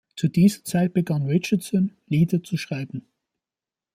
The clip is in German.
Zu dieser Zeit begann Richardson, Lieder zu schreiben.